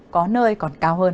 có nơi còn cao hơn